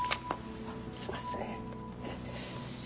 すみません。